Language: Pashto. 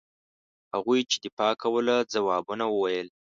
هغوی چې دفاع کوله ځوابونه وویل.